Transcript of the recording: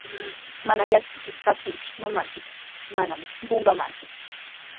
Mana llakikuq kaptinchik, mamanchik manami qunqamanchikku.